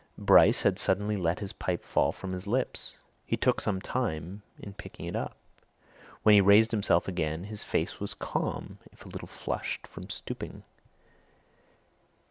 Bryce had suddenly let his pipe fall from his lips. He took some time in picking it up. When he raised himself again his face was calm if a little flushed from stooping.